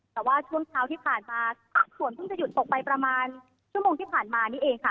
แต่ว่าช่วงเช้าที่ผ่านมาฝนเพิ่งจะหยุดตกไปประมาณชั่วโมงที่ผ่านมานี่เองค่ะ